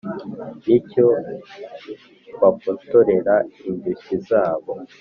n’ icyo bakotorera indushyi zabo.